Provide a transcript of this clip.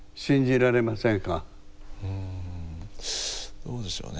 どうでしょうね